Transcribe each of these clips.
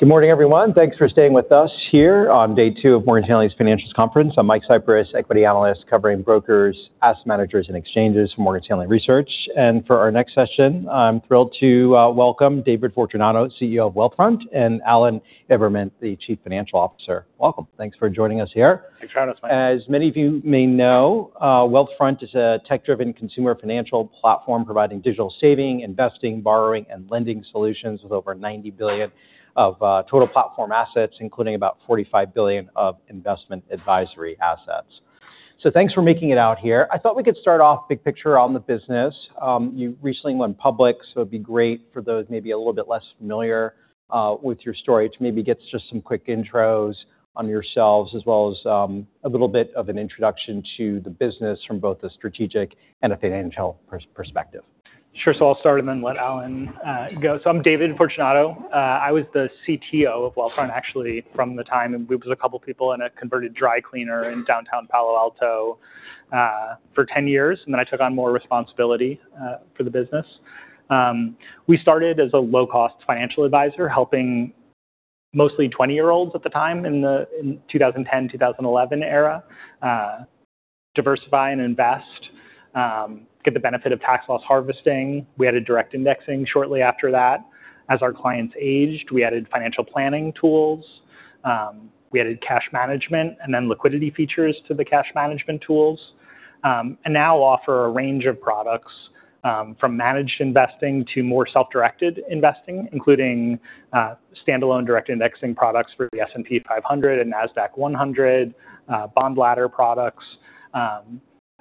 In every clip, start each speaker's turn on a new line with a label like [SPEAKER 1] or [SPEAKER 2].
[SPEAKER 1] Good morning, everyone. Thanks for staying with us here on day two of Morgan Stanley's Financials conference. I'm Mike Cyprys, Equity Analyst covering brokers, asset managers, and exchanges for Morgan Stanley Research. For our next session, I'm thrilled to welcome David Fortunato, CEO of Wealthfront, and Alan Imberman, the Chief Financial Officer. Welcome. Thanks for joining us here.
[SPEAKER 2] Thanks for having us, Mike.
[SPEAKER 1] As many of you may know, Wealthfront is a tech-driven consumer financial platform providing digital saving, investing, borrowing, and lending solutions with over $90 billion of total platform assets, including about $45 billion of investment advisory assets. Thanks for making it out here. I thought we could start off big picture on the business. You recently went public, so it'd be great for those maybe a little bit less familiar with your story to maybe get just some quick intros on yourselves as well as a little bit of an introduction to the business from both a strategic and a financial perspective.
[SPEAKER 2] Sure. I'll start and then let Alan go. I'm David Fortunato. I was the CTO of Wealthfront, actually, from the time it was a couple people in a converted dry cleaner in downtown Palo Alto, for 10 years. Then I took on more responsibility for the business. We started as a low-cost financial advisor, helping mostly 20-year-olds at the time, in the 2010, 2011 era, diversify and invest, get the benefit of Tax-Loss Harvesting. We added Direct Indexing shortly after that. As our clients aged, we added financial planning tools. We added cash management and then liquidity features to the cash management tools. Now offer a range of products, from managed investing to more self-directed investing, including standalone Direct Indexing products for the S&P 500 and Nasdaq-100, bond ladder products,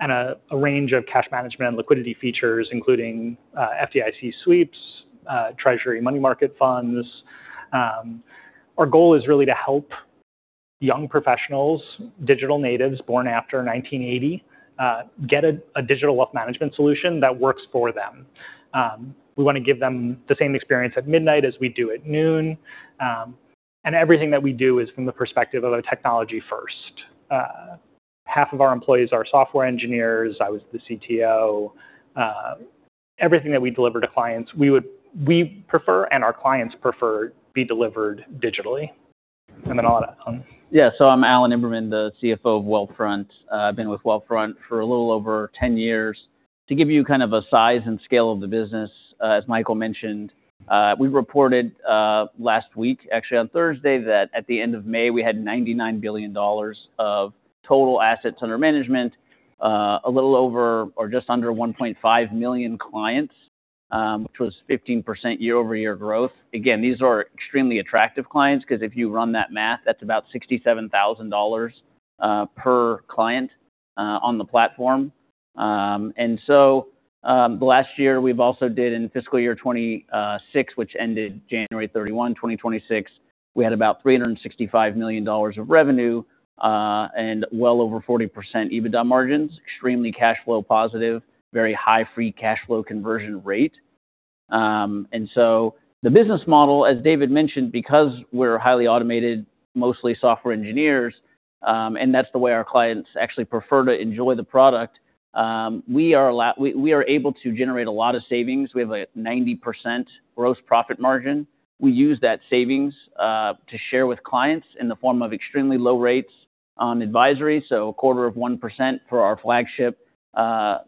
[SPEAKER 2] and a range of cash management and liquidity features, including FDIC sweeps, treasury money market funds. Our goal is really to help young professionals, digital natives born after 1980, get a digital wealth management solution that works for them. We want to give them the same experience at midnight as we do at noon. Everything that we do is from the perspective of a technology first. Half of our employees are software engineers. I was the CTO. Everything that we deliver to clients, we prefer and our clients prefer be delivered digitally. I'll let Alan.
[SPEAKER 3] Yeah. I'm Alan Imberman, the CFO of Wealthfront. I've been with Wealthfront for a little over 10 years. To give you kind of a size and scale of the business, as Michael mentioned, we reported last week, actually on Thursday, that at the end of May, we had $99 billion of total assets under management. A little over or just under 1.5 million clients, which was 15% year-over-year growth. These are extremely attractive clients because if you run that math, that's about $67,000 per client on the platform. Last year, we also did in FY 2026, which ended January 31, 2026, we had about $365 million of revenue, and well over 40% EBITDA margins. Extremely cash flow positive, very high free cash flow conversion rate. The business model, as David mentioned, because we're highly automated, mostly software engineers, and that's the way our clients actually prefer to enjoy the product, we are able to generate a lot of savings. We have a 90% gross profit margin. We use that savings to share with clients in the form of extremely low rates on advisory, a quarter of 1% for our flagship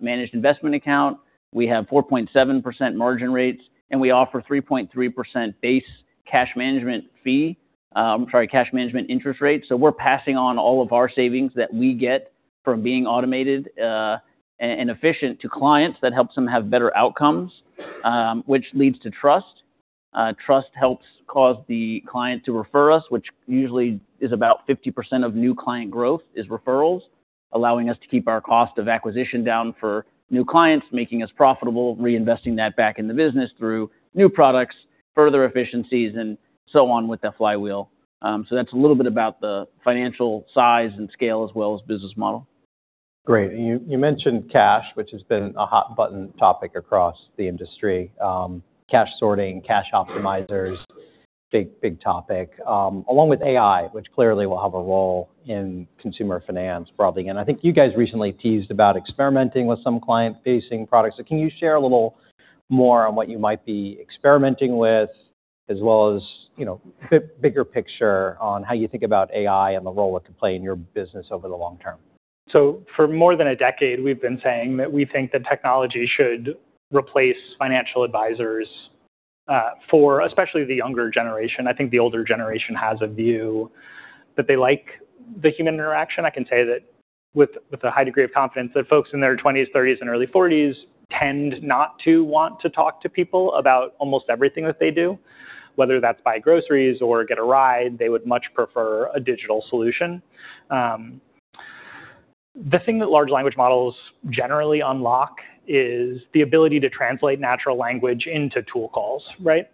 [SPEAKER 3] managed investment account. We have 4.7% margin rates, and we offer 3.3% base cash management fee. I'm sorry, cash management interest rate. We're passing on all of our savings that we get from being automated and efficient to clients that helps them have better outcomes, which leads to trust. Trust helps cause the client to refer us, which usually is about 50% of new client growth is referrals, allowing us to keep our cost of acquisition down for new clients, making us profitable, reinvesting that back in the business through new products, further efficiencies, and so on with the flywheel. That's a little bit about the financial size and scale as well as business model.
[SPEAKER 1] Great. You mentioned cash, which has been a hot-button topic across the industry. Cash sorting, cash optimizers, big topic. Along with AI, which clearly will have a role in consumer finance broadly. I think you guys recently teased about experimenting with some client-facing products. Can you share a little more on what you might be experimenting with as well as bigger picture on how you think about AI and the role it could play in your business over the long-term?
[SPEAKER 2] For more than a decade, we've been saying that we think that technology should replace financial advisors, for especially the younger generation. I think the older generation has a view that they like the human interaction. I can say that with a high degree of confidence that folks in their 20s, 30s, and early 40s tend not to want to talk to people about almost everything that they do, whether that's buy groceries or get a ride. They would much prefer a digital solution. The thing that large language models generally unlock is the ability to translate natural language into tool calls, right?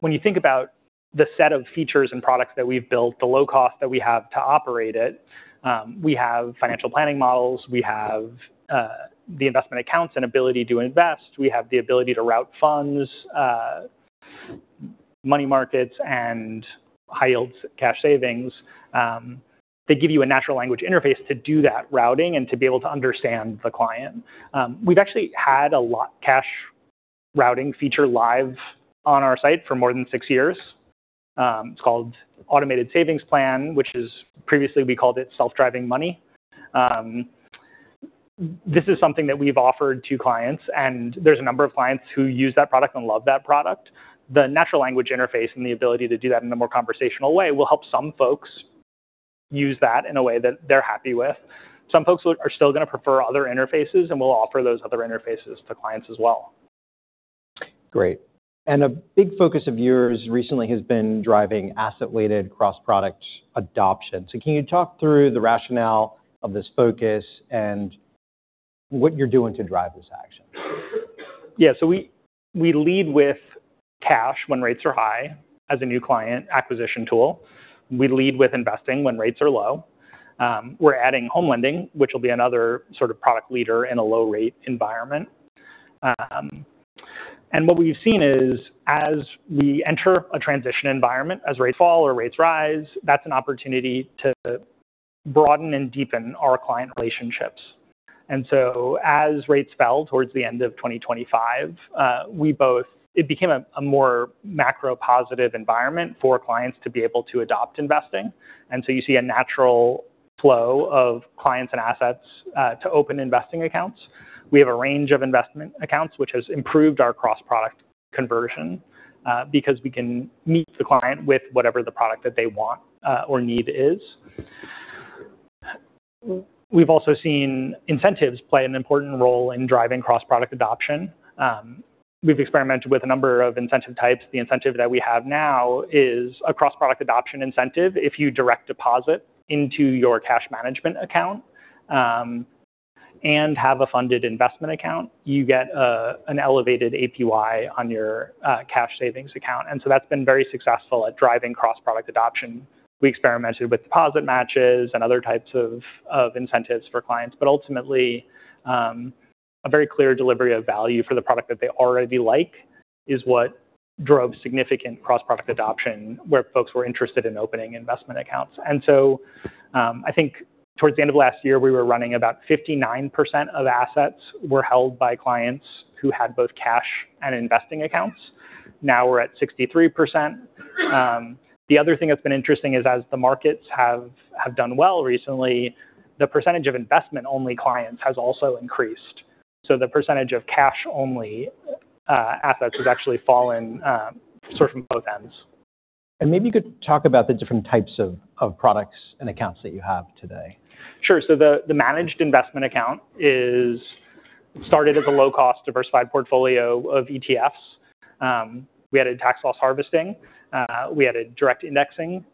[SPEAKER 2] When you think about the set of features and products that we've built, the low cost that we have to operate it, we have financial planning models. We have the investment accounts and ability to invest. We have the ability to route funds, money markets, and high-yield cash savings. They give you a natural language interface to do that routing and to be able to understand the client. We've actually had a cash routing feature live on our site for more than six years. It's called Automated Savings Plan, which previously we called it Self-Driving Money. This is something that we've offered to clients, and there's a number of clients who use that product and love that product. The natural language interface and the ability to do that in a more conversational way will help some folks use that in a way that they're happy with. Some folks are still going to prefer other interfaces, and we'll offer those other interfaces to clients as well.
[SPEAKER 1] Great. A big focus of yours recently has been driving asset-weighted cross-product adoption. Can you talk through the rationale of this focus and what you're doing to drive this action?
[SPEAKER 2] Yeah. We lead with cash when rates are high as a new client acquisition tool. We lead with investing when rates are low. We're adding home lending, which will be another product leader in a low-rate environment. What we've seen is, as we enter a transition environment, as rates fall or rates rise, that's an opportunity to broaden and deepen our client relationships. As rates fell towards the end of 2025, it became a more macro positive environment for clients to be able to adopt investing. You see a natural flow of clients and assets to open investing accounts. We have a range of investment accounts, which has improved our cross-product conversion because we can meet the client with whatever the product that they want or need is. We've also seen incentives play an important role in driving cross-product adoption. We've experimented with a number of incentive types. The incentive that we have now is a cross-product adoption incentive. If you direct deposit into your cash management account and have a funded investment account, you get an elevated APY on your cash savings account. That's been very successful at driving cross-product adoption. We experimented with deposit matches and other types of incentives for clients. Ultimately, a very clear delivery of value for the product that they already like is what drove significant cross-product adoption, where folks were interested in opening investment accounts. I think towards the end of last year, we were running about 59% of assets were held by clients who had both cash and investing accounts. Now we're at 63%. The other thing that's been interesting is as the markets have done well recently, the percentage of investment-only clients has also increased. The percentage of cash-only assets has actually fallen from [both] ends.
[SPEAKER 1] Maybe you could talk about the different types of products and accounts that you have today.
[SPEAKER 2] Sure. The managed investment account started as a low-cost, diversified portfolio of ETFs. We added Tax-Loss Harvesting. We added Direct Indexing.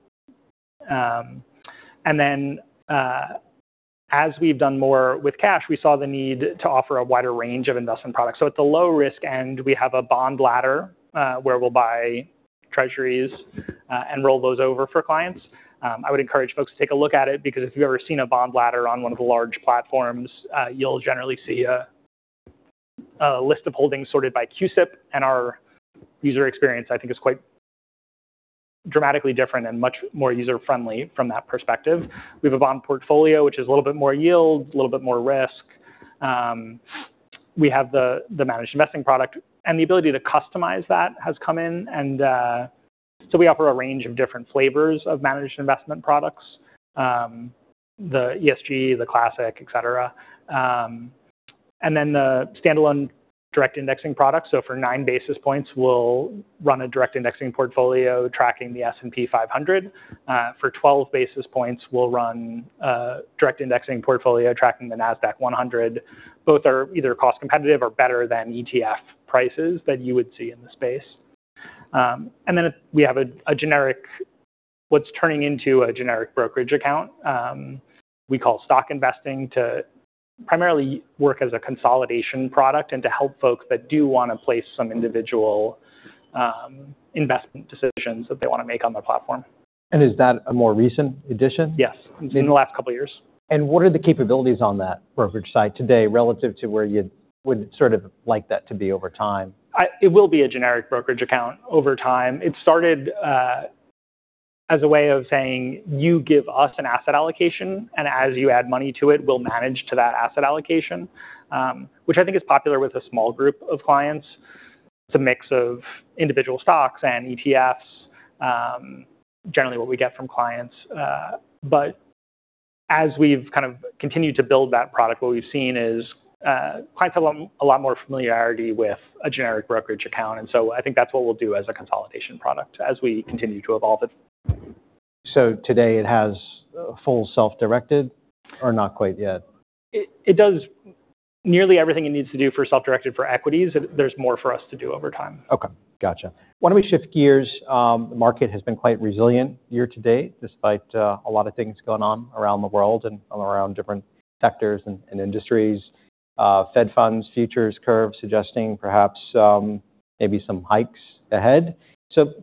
[SPEAKER 2] As we've done more with cash, we saw the need to offer a wider range of investment products. At the low-risk end, we have a bond ladder, where we'll buy treasuries and roll those over for clients. I would encourage folks to take a look at it, because if you've ever seen a bond ladder on one of the large platforms, you'll generally see a list of holdings sorted by CUSIP, and our user experience, I think, is quite dramatically different and much more user-friendly from that perspective. We have a bond portfolio, which is a little bit more yield, a little bit more risk. We have the managed investing product, and the ability to customize that has come in. We offer a range of different flavors of managed investment products, the ESG, the classic, et cetera. The standalone Direct Indexing product. For nine basis points, we'll run a Direct Indexing portfolio tracking the S&P 500. For 12 basis points, we'll run a Direct Indexing portfolio tracking the Nasdaq-100. Both are either cost competitive or better than ETF prices that you would see in the space. We have what's turning into a generic brokerage account, we call Stock Investing, to primarily work as a consolidation product and to help folks that do want to place some individual investment decisions that they want to make on their platform.
[SPEAKER 1] Is that a more recent addition?
[SPEAKER 2] Yes. In the last couple of years.
[SPEAKER 1] What are the capabilities on that brokerage site today relative to where you would like that to be over time?
[SPEAKER 2] It will be a generic brokerage account over time. It started as a way of saying, "You give us an asset allocation, and as you add money to it, we'll manage to that asset allocation," which I think is popular with a small group of clients. It's a mix of individual stocks and ETFs, generally what we get from clients. As we've continued to build that product, what we've seen is clients have a lot more familiarity with a generic brokerage account. I think that's what we'll do as a consolidation product as we continue to evolve it.
[SPEAKER 1] Today it has full self-directed, or not quite yet?
[SPEAKER 2] It does nearly everything it needs to do for self-directed for equities. There's more for us to do over time.
[SPEAKER 1] Got you. Why don't we shift gears? The market has been quite resilient year-to-date, despite a lot of things going on around the world and around different sectors and industries. Fed funds futures curve suggesting perhaps maybe some hikes ahead.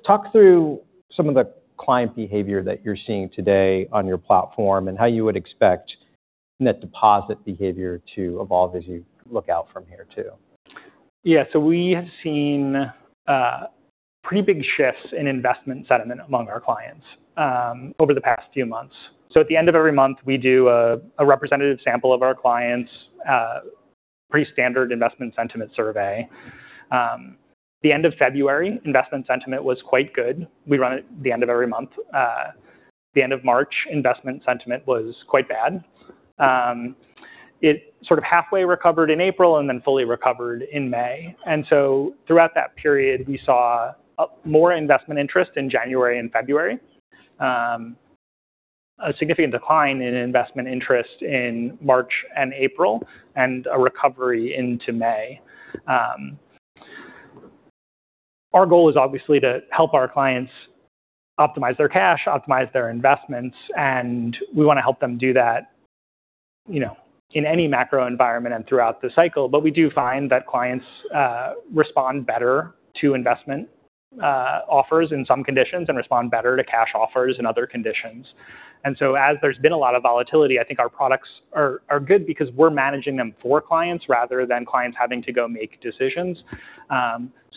[SPEAKER 1] Talk through some of the client behavior that you're seeing today on your platform and how you would expect net deposit behavior to evolve as you look out from here, too.
[SPEAKER 2] Yeah. We have seen pretty big shifts in investment sentiment among our clients over the past few months. At the end of every month, we do a representative sample of our clients, pretty standard investment sentiment survey. The end of February, investment sentiment was quite good. We run it the end of every month. The end of March, investment sentiment was quite bad. It sort of halfway recovered in April and then fully recovered in May. Throughout that period, we saw more investment interest in January and February, a significant decline in investment interest in March and April, and a recovery into May. Our goal is obviously to help our clients optimize their cash, optimize their investments, and we want to help them do that in any macro environment and throughout the cycle. We do find that clients respond better to investment offers in some conditions and respond better to cash offers in other conditions. As there's been a lot of volatility, I think our products are good because we're managing them for clients rather than clients having to go make decisions.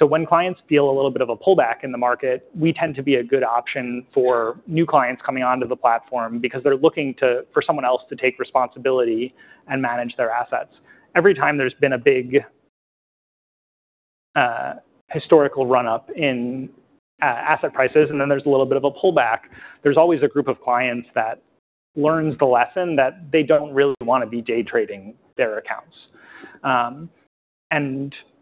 [SPEAKER 2] When clients feel a little bit of a pullback in the market, we tend to be a good option for new clients coming onto the platform because they're looking for someone else to take responsibility and manage their assets. Every time there's been a big historical run-up in asset prices and then there's a little bit of a pullback, there's always a group of clients that learns the lesson that they don't really want to be day trading their accounts.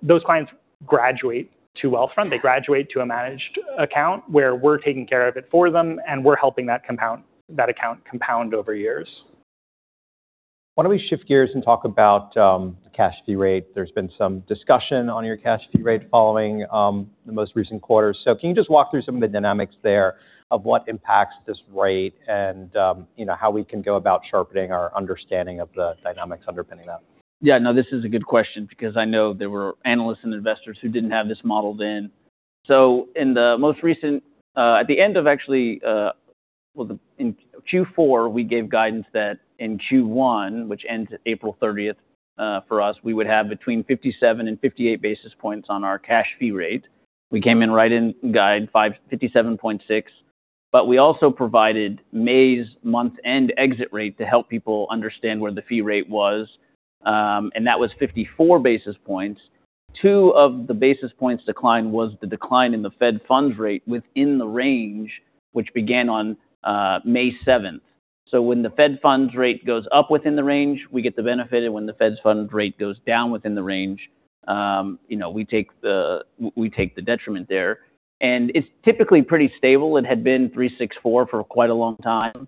[SPEAKER 2] Those clients graduate to Wealthfront. They graduate to a managed account where we're taking care of it for them, and we're helping that account compound over years.
[SPEAKER 1] Why don't we shift gears and talk about the cash fee rate. There's been some discussion on your cash fee rate following the most recent quarter. Can you just walk through some of the dynamics there of what impacts this rate and how we can go about sharpening our understanding of the dynamics underpinning that?
[SPEAKER 3] This is a good question because I know there were analysts and investors who didn't have this modeled in. In Q4, we gave guidance that in Q1, which ends April 30th for us, we would have between 57 and 58 basis points on our cash fee rate. We came in right in guide, 57.6. We also provided May's month-end exit rate to help people understand where the fee rate was, and that was 54 basis points. Two of the basis points decline was the decline in the Fed funds rate within the range, which began on May 7th. When the Fed funds rate goes up within the range, we get the benefit, and when the Fed funds rate goes down within the range, we take the detriment there. It's typically pretty stable. It had been 364 for quite a long time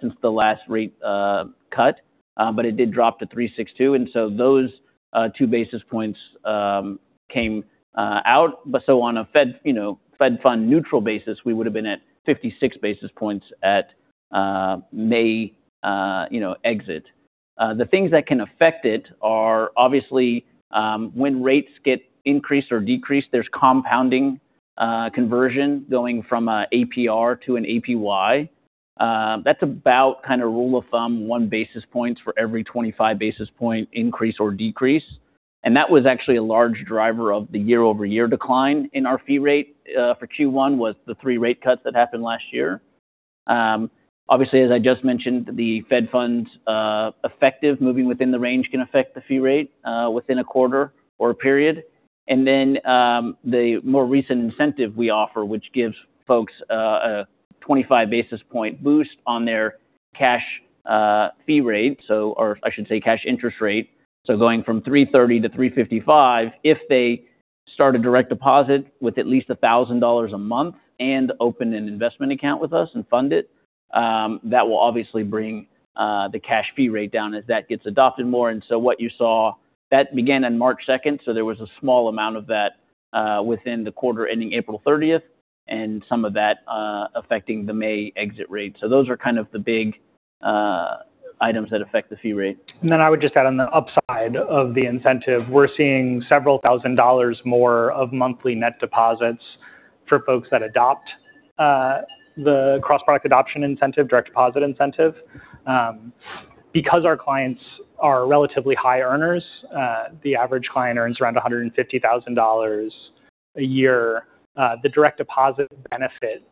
[SPEAKER 3] since the last rate cut, it did drop to 362. Those 2 basis points came out. On a Fed funds neutral basis, we would've been at 56 basis points at May exit. The things that can affect it are obviously when rates get increased or decreased, there's compounding conversion going from an APR to an APY. That's about kind of rule of thumb, one basis points for every 25 basis point increase or decrease. That was actually a large driver of the year-over-year decline in our fee rate for Q1 was the three rate cuts that happened last year. As I just mentioned, the Fed funds effective moving within the range can affect the fee rate within a quarter or a period. The more recent incentive we offer, which gives folks a 25 basis point boost on their cash fee rate, or I should say cash interest rate. Going from 330 to 355, if they start a direct deposit with at least $1,000 a month and open an investment account with us and fund it, that will obviously bring the cash fee rate down as that gets adopted more. What you saw, that began on March 2nd, there was a small amount of that within the quarter ending April 30th and some of that affecting the May exit rate. Those are kind of the big items that affect the fee rate.
[SPEAKER 2] I would just add on the upside of the incentive, we're seeing several thousand dollars more of monthly net deposits for folks that adopt the Cross-Product Adoption Incentive, Direct Deposit Incentive. Because our clients are relatively high earners, the average client earns around $150,000 a year, the Direct Deposit benefit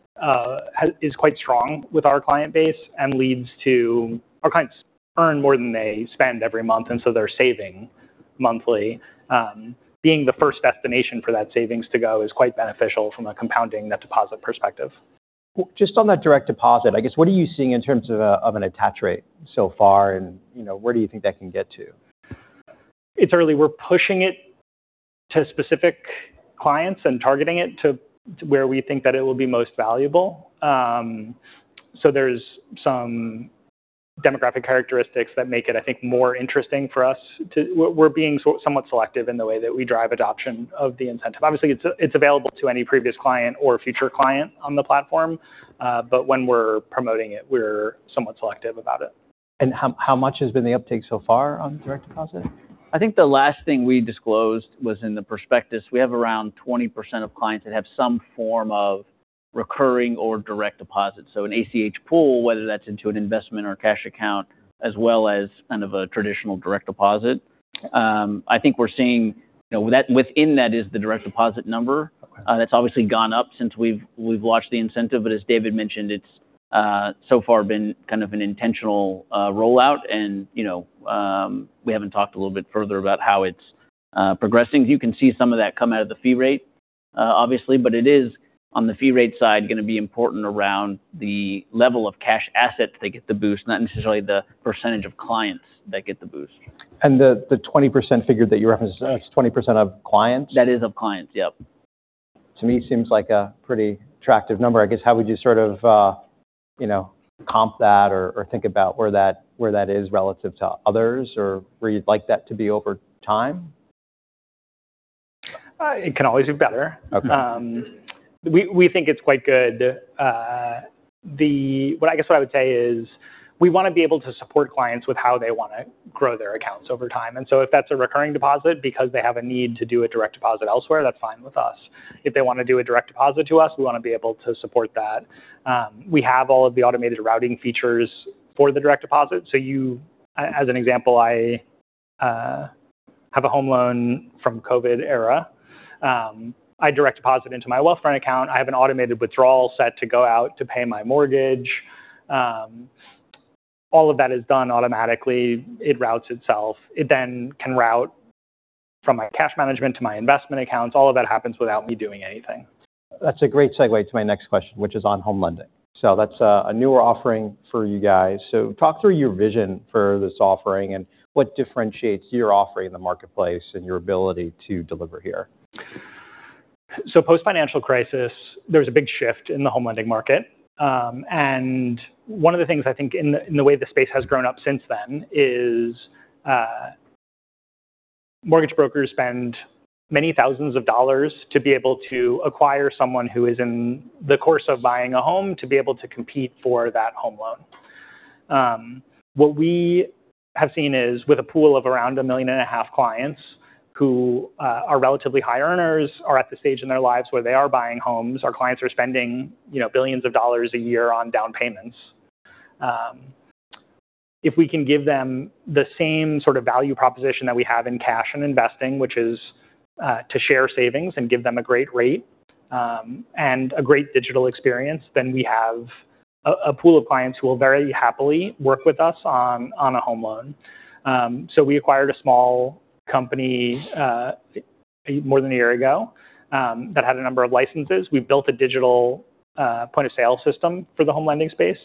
[SPEAKER 2] is quite strong with our client base and leads to our clients earn more than they spend every month, they're saving monthly. Being the first destination for that savings to go is quite beneficial from a compounding net deposit perspective.
[SPEAKER 1] Just on that Direct Deposit, I guess, what are you seeing in terms of an attach rate so far, where do you think that can get to?
[SPEAKER 2] It's early. We're pushing it to specific clients and targeting it to where we think that it will be most valuable. There's some demographic characteristics that make it, I think, more interesting for us. We're being somewhat selective in the way that we drive adoption of the incentive. Obviously, it's available to any previous client or future client on the platform. When we're promoting it, we're somewhat selective about it.
[SPEAKER 1] How much has been the uptake so far on Direct Deposit?
[SPEAKER 3] I think the last thing we disclosed was in the prospectus. We have around 20% of clients that have some form of recurring or direct deposits. An ACH pull, whether that's into an investment or a cash account, as well as kind of a traditional direct deposit. I think we're seeing within that is the direct deposit number.
[SPEAKER 1] Okay.
[SPEAKER 3] That's obviously gone up since we've launched the incentive, but as David mentioned, it's so far been kind of an intentional rollout. We haven't talked a little bit further about how it's progressing. You can see some of that come out of the fee rate, obviously, but it is, on the fee rate side, going to be important around the level of cash assets that get the boost, not necessarily the percentage of clients that get the boost.
[SPEAKER 1] The 20% figure that you referenced, that's 20% of clients?
[SPEAKER 3] That is of clients, yep.
[SPEAKER 1] To me, seems like a pretty attractive number. I guess how would you sort of comp that or think about where that is relative to others, or where you'd like that to be over time?
[SPEAKER 2] It can always be better.
[SPEAKER 1] Okay.
[SPEAKER 2] We think it's quite good. I guess what I would say is we want to be able to support clients with how they want to grow their accounts over time. If that's a recurring deposit because they have a need to do a direct deposit elsewhere, that's fine with us. If they want to do a direct deposit to us, we want to be able to support that. We have all of the automated routing features for the direct deposit. As an example, I have a home loan from COVID era. I direct deposit into my Wealthfront account. I have an automated withdrawal set to go out to pay my mortgage. All of that is done automatically. It routes itself. It then can route from my cash management to my investment accounts. All of that happens without me doing anything.
[SPEAKER 1] That's a great segue to my next question, which is on home lending. That's a newer offering for you guys. Talk through your vision for this offering, and what differentiates your offering in the marketplace and your ability to deliver here.
[SPEAKER 2] Post-financial crisis, there was a big shift in the home lending market. One of the things I think in the way the space has grown up since then is mortgage brokers spend many thousands of dollars to be able to acquire someone who is in the course of buying a home to be able to compete for that home loan. What we have seen is with a pool of around 1.5 million clients who are relatively high earners, are at the stage in their lives where they are buying homes. Our clients are spending billions of dollars a year on down payments. If we can give them the same sort of value proposition that we have in cash and investing, which is to share savings and give them a great rate and a great digital experience, we have a pool of clients who will very happily work with us on a home loan. We acquired a small company more than one year ago that had a number of licenses. We built a digital point-of-sale system for the home lending space.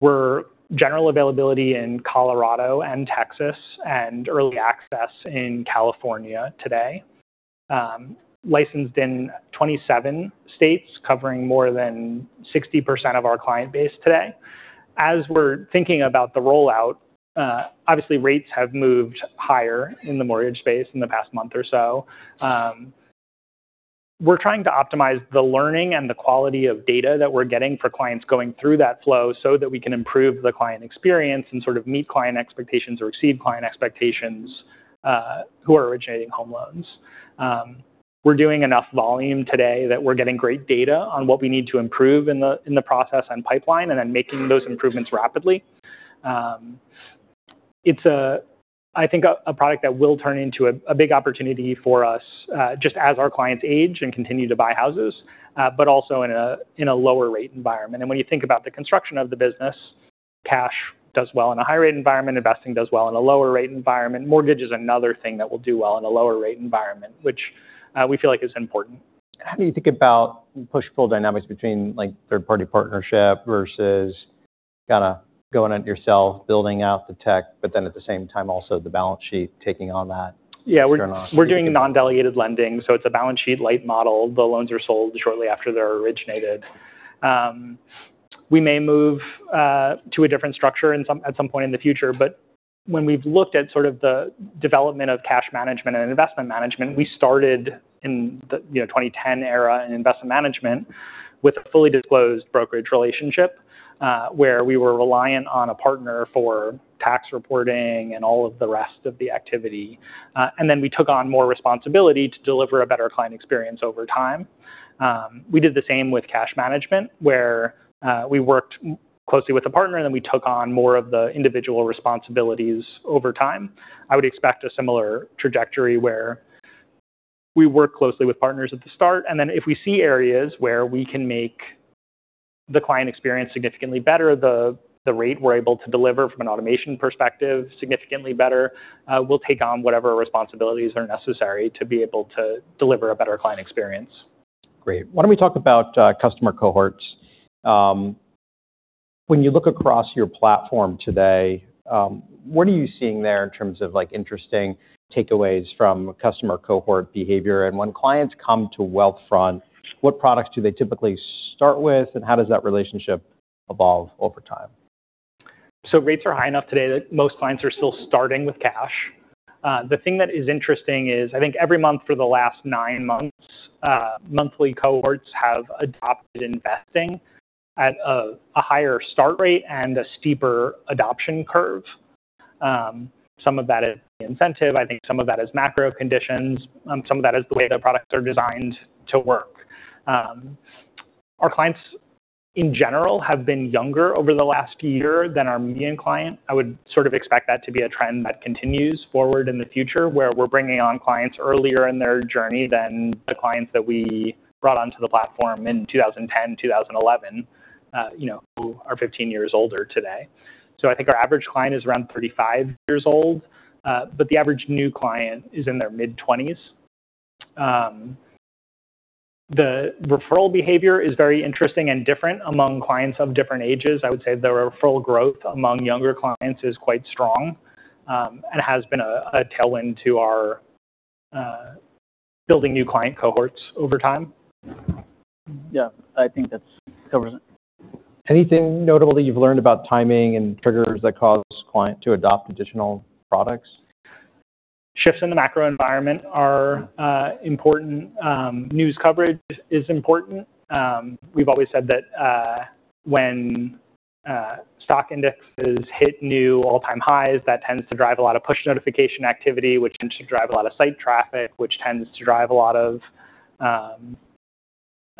[SPEAKER 2] We're general availability in Colorado and Texas and early access in California today. Licensed in 27 states, covering more than 60% of our client base today. We're thinking about the rollout, obviously rates have moved higher in the mortgage space in the past month or so. We're trying to optimize the learning and the quality of data that we're getting for clients going through that flow so that we can improve the client experience and sort of meet client expectations or exceed client expectations who are originating home loans. We're doing enough volume today that we're getting great data on what we need to improve in the process and pipeline, making those improvements rapidly. It's, I think, a product that will turn into a big opportunity for us, just as our clients age and continue to buy houses, but also in a lower rate environment. When you think about the construction of the business, cash does well in a high rate environment, investing does well in a lower rate environment. Mortgage is another thing that will do well in a lower rate environment, which we feel like is important.
[SPEAKER 1] How do you think about push-pull dynamics between third-party partnership versus kind of going it yourself, building out the tech, at the same time, also the balance sheet taking on that?
[SPEAKER 2] Yeah, we're doing non-delegated lending, so it's a balance sheet light model. The loans are sold shortly after they're originated. We may move to a different structure at some point in the future, but when we've looked at sort of the development of cash management and investment management, we started in the 2010 era in investment management with a fully disclosed brokerage relationship, where we were reliant on a partner for tax reporting and all of the rest of the activity. We took on more responsibility to deliver a better client experience over time. We did the same with cash management, where we worked closely with a partner, we took on more of the individual responsibilities over time. I would expect a similar trajectory where we work closely with partners at the start, if we see areas where we can make the client experience significantly better, the rate we're able to deliver from an automation perspective significantly better, we'll take on whatever responsibilities are necessary to be able to deliver a better client experience.
[SPEAKER 1] Great. Why don't we talk about customer cohorts. When you look across your platform today, what are you seeing there in terms of interesting takeaways from customer cohort behavior? When clients come to Wealthfront, what products do they typically start with, and how does that relationship evolve over time?
[SPEAKER 2] Rates are high enough today that most clients are still starting with cash. The thing that is interesting is I think every month for the last nine months, monthly cohorts have adopted investing at a higher start rate and a steeper adoption curve. Some of that is the incentive. I think some of that is macro conditions. Some of that is the way the products are designed to work. Our clients, in general, have been younger over the last year than our median client. I would sort of expect that to be a trend that continues forward in the future, where we're bringing on clients earlier in their journey than the clients that we brought onto the platform in 2010, 2011, who are 15 years older today. I think our average client is around 35 years old. The average new client is in their mid-20s. The referral behavior is very interesting and different among clients of different ages. I would say the referral growth among younger clients is quite strong, and has been a tailwind to our building new client cohorts over time. Yeah, I think that covers it.
[SPEAKER 1] Anything notable that you've learned about timing and triggers that cause client to adopt additional products?
[SPEAKER 2] Shifts in the macro environment are important. News coverage is important. We've always said that when stock indexes hit new all-time highs, that tends to drive a lot of push notification activity, which tends to drive a lot of site traffic, which tends to drive a lot of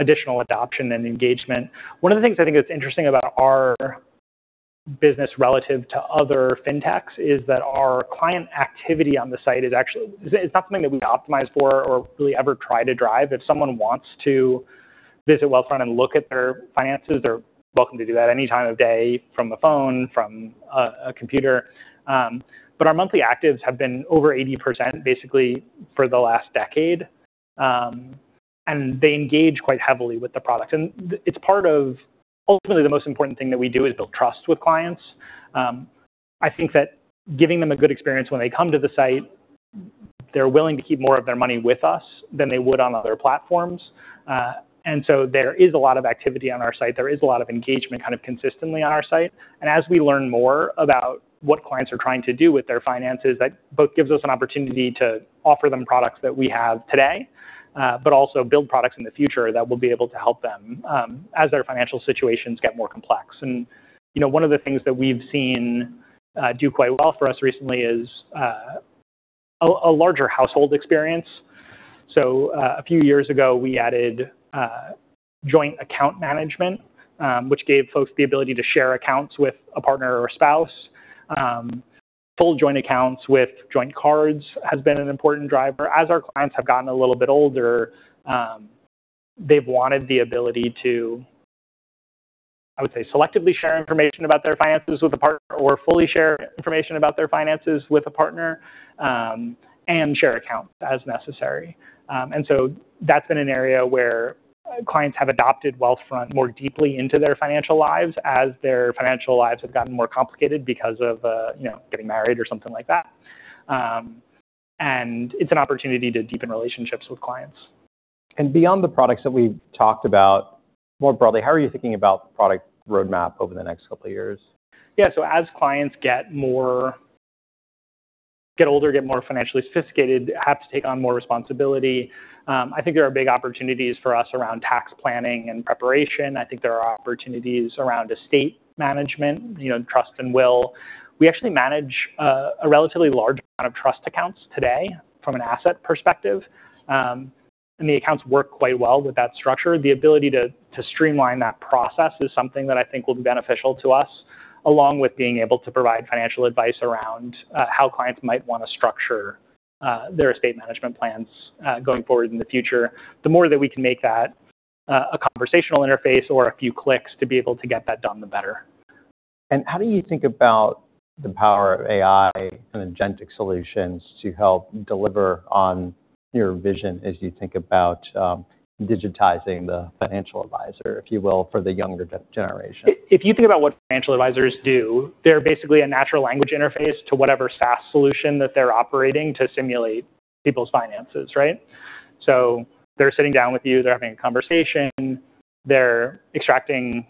[SPEAKER 2] additional adoption and engagement. One of the things I think is interesting about our business relative to other fintechs is that our client activity on the site is actually, it's not something that we optimize for or really ever try to drive. If someone wants to visit Wealthfront and look at their finances, they're welcome to do that any time of day from a phone, from a computer. Our monthly actives have been over 80% basically for the last decade. They engage quite heavily with the product. It's part of ultimately the most important thing that we do is build trust with clients. I think that giving them a good experience when they come to the site, they're willing to keep more of their money with us than they would on other platforms. There is a lot of activity on our site. There is a lot of engagement kind of consistently on our site. As we learn more about what clients are trying to do with their finances, that both gives us an opportunity to offer them products that we have today, but also build products in the future that will be able to help them, as their financial situations get more complex. One of the things that we've seen do quite well for us recently is a larger household experience. A few years ago, we added joint account management, which gave folks the ability to share accounts with a partner or spouse. Full joint accounts with joint cards has been an important driver. As our clients have gotten a little bit older, they've wanted the ability to, I would say, selectively share information about their finances with a partner or fully share information about their finances with a partner, and share accounts as necessary. That's been an area where clients have adopted Wealthfront more deeply into their financial lives as their financial lives have gotten more complicated because of getting married or something like that. It's an opportunity to deepen relationships with clients.
[SPEAKER 1] Beyond the products that we've talked about, more broadly, how are you thinking about product roadmap over the next couple of years?
[SPEAKER 2] As clients get older, get more financially sophisticated, have to take on more responsibility, I think there are big opportunities for us around tax planning and preparation. I think there are opportunities around estate management, trust and will. We actually manage a relatively large amount of trust accounts today from an asset perspective. The accounts work quite well with that structure. The ability to streamline that process is something that I think will be beneficial to us, along with being able to provide financial advice around how clients might want to structure their estate management plans going forward in the future. The more that we can make that a conversational interface or a few clicks to be able to get that done, the better.
[SPEAKER 1] How do you think about the power of AI and agentic solutions to help deliver on your vision as you think about digitizing the financial advisor, if you will, for the younger generation?
[SPEAKER 2] If you think about what financial advisors do, they're basically a natural language interface to whatever SaaS solution that they're operating to simulate people's finances, right? They're sitting down with you, they're having a conversation, they're extracting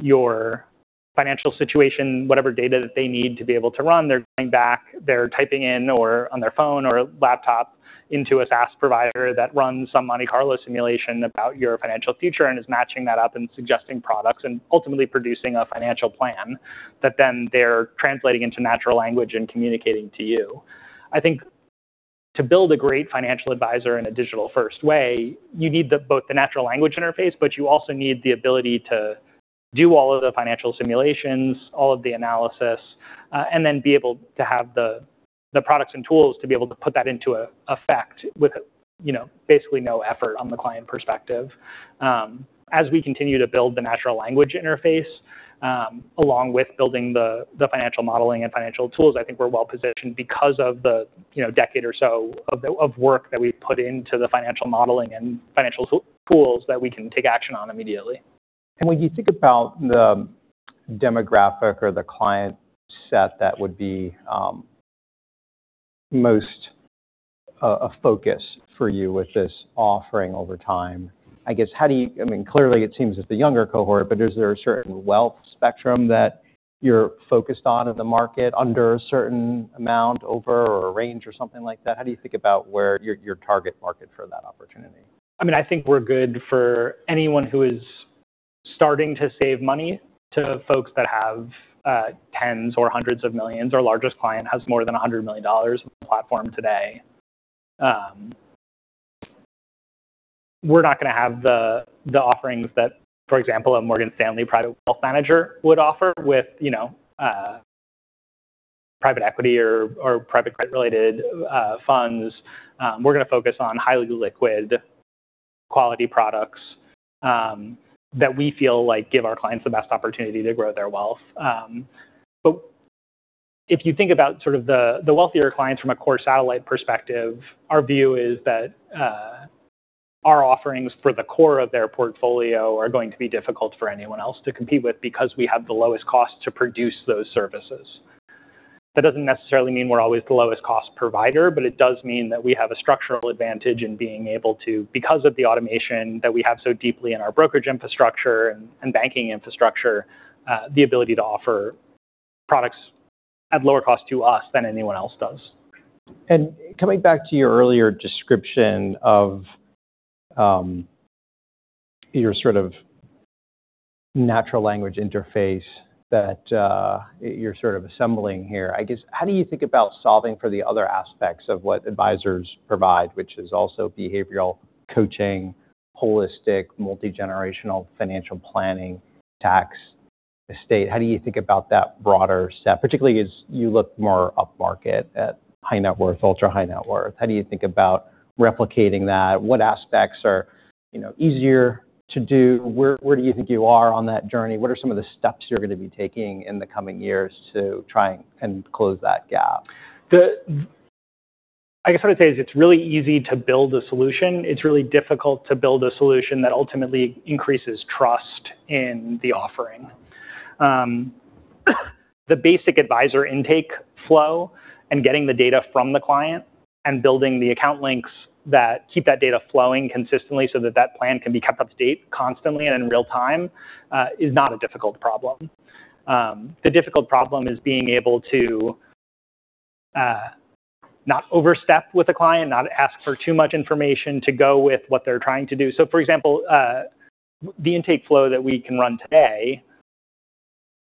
[SPEAKER 2] your financial situation, whatever data that they need to be able to run. They're going back, they're typing in or on their phone or laptop into a SaaS provider that runs some Monte Carlo simulation about your financial future and is matching that up and suggesting products, ultimately producing a financial plan that then they're translating into natural language and communicating to you. I think to build a great financial advisor in a digital-first way, you need both the natural language interface, you also need the ability to do all of the financial simulations, all of the analysis, and then be able to have the products and tools to be able to put that into effect with basically no effort on the client perspective. As we continue to build the natural language interface, along with building the financial modeling and financial tools, I think we're well-positioned because of the decade or so of work that we've put into the financial modeling and financial tools that we can take action on immediately.
[SPEAKER 1] When you think about the demographic or the client set that would be most a focus for you with this offering over time, I guess, I mean, clearly it seems it's the younger cohort, but is there a certain wealth spectrum that you're focused on in the market, under a certain amount, over, or a range or something like that? How do you think about where your target market for that opportunity?
[SPEAKER 2] I think we're good for anyone who is starting to save money to folks that have tens or hundreds of millions. Our largest client has more than $100 million on the platform today. We're not going to have the offerings that, for example, a Morgan Stanley private wealth manager would offer with private equity or private credit related funds. We're going to focus on highly liquid quality products that we feel give our clients the best opportunity to grow their wealth. If you think about the wealthier clients from a core satellite perspective, our view is that our offerings for the core of their portfolio are going to be difficult for anyone else to compete with because we have the lowest cost to produce those services. That doesn't necessarily mean we're always the lowest cost provider, it does mean that we have a structural advantage in being able to, because of the automation that we have so deeply in our brokerage infrastructure and banking infrastructure, the ability to offer products at lower cost to us than anyone else does.
[SPEAKER 1] Coming back to your earlier description of your sort of natural language interface that you're sort of assembling here. How do you think about solving for the other aspects of what advisors provide, which is also behavioral coaching, holistic, multigenerational financial planning, tax, estate? How do you think about that broader set, particularly as you look more upmarket at high net worth, ultra high net worth? How do you think about replicating that? What aspects are easier to do? Where do you think you are on that journey? What are some of the steps you're going to be taking in the coming years to try and close that gap?
[SPEAKER 2] What I'd say is it's really easy to build a solution. It's really difficult to build a solution that ultimately increases trust in the offering. The basic advisor intake flow and getting the data from the client and building the account links that keep that data flowing consistently so that that plan can be kept up to date constantly and in real time, is not a difficult problem. The difficult problem is being able to not overstep with a client, not ask for too much information to go with what they're trying to do. For example, the intake flow that we can run today,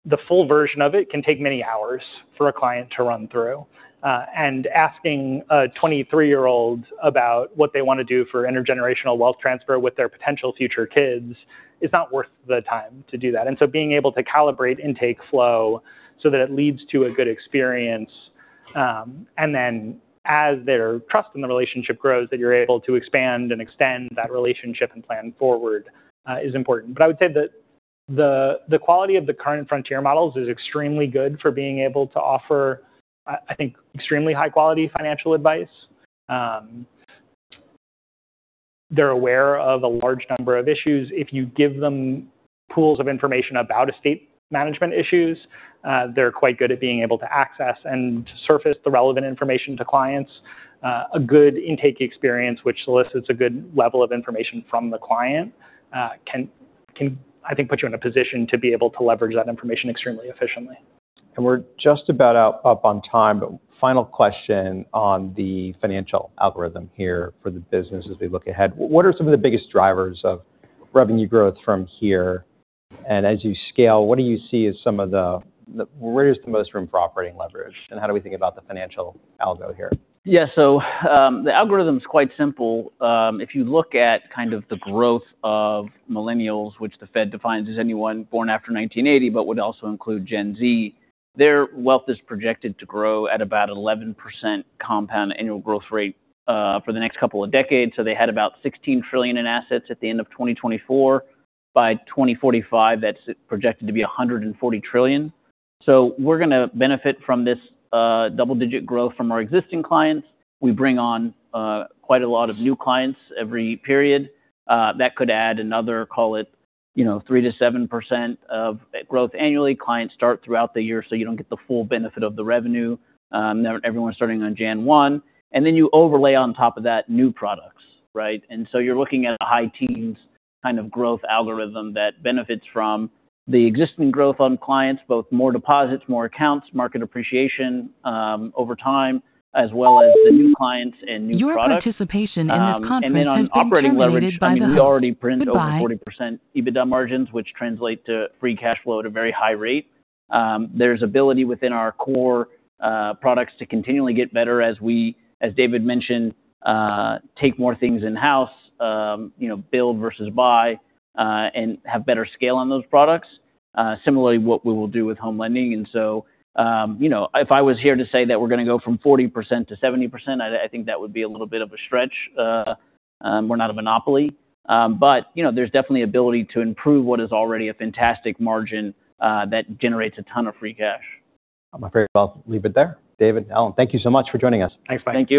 [SPEAKER 2] the full version of it can take many hours for a client to run through. Asking a 23-year-old about what they want to do for intergenerational wealth transfer with their potential future kids is not worth the time to do that. Being able to calibrate intake flow so that it leads to a good experience, and then as their trust in the relationship grows, that you're able to expand and extend that relationship and plan forward is important. I would say that the quality of the current Frontier models is extremely good for being able to offer, I think, extremely high quality financial advice. They're aware of a large number of issues. If you give them pools of information about estate management issues, they're quite good at being able to access and surface the relevant information to clients. A good intake experience which solicits a good level of information from the client can, I think, put you in a position to be able to leverage that information extremely efficiently.
[SPEAKER 1] We're just about up on time, final question on the financial algorithm here for the business as we look ahead. What are some of the biggest drivers of revenue growth from here? As you scale, where is the most room for operating leverage, and how do we think about the financial algo here?
[SPEAKER 3] The algorithm is quite simple. If you look at kind of the growth of millennials, which the Fed defines as anyone born after 1980, but would also include Gen Z, their wealth is projected to grow at about 11% compound annual growth rate for the next couple of decades. They had about $16 trillion in assets at the end of 2024. By 2045, that's projected to be $140 trillion. We're going to benefit from this double-digit growth from our existing clients. We bring on quite a lot of new clients every period. That could add another, call it, 3%-7% of growth annually. Clients start throughout the year, so you don't get the full benefit of the revenue. Not everyone's starting on January 1. You overlay on top of that new products. You're looking at a high-teens kind of growth algorithm that benefits from the existing growth on clients, both more deposits, more accounts, market appreciation over time, as well as the new clients and new products. On operating leverage, I mean, we already print over 40% EBITDA margins, which translate to free cash flow at a very high rate. There's ability within our core products to continually get better as we, as David mentioned, take more things in-house, build versus buy, and have better scale on those products. Similarly, what we will do with home lending, if I was here to say that we're going to go from 40% to 70%, I think that would be a little bit of a stretch. We're not a monopoly. There's definitely ability to improve what is already a fantastic margin that generates a ton of free cash.
[SPEAKER 1] I'm afraid I'll leave it there. David, Alan, thank you so much for joining us.
[SPEAKER 2] Thanks, Mike.
[SPEAKER 3] Thank you.